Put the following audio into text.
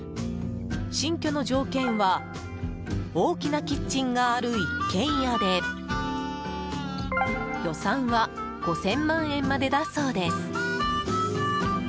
新居の条件は大きなキッチンがある一軒家で予算は５０００万円までだそうです。